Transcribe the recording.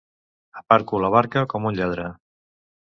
Aparco la barca com un lladre.